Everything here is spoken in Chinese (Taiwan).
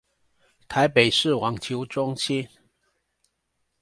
臺北市網球中心